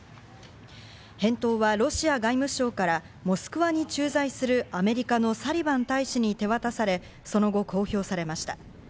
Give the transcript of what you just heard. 返答はロシア外務省からモスクワに駐在するアメリカのサリバン大使に手渡され、その後公表されました。